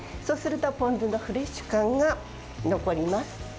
そうするとポン酢のフレッシュ感が残ります。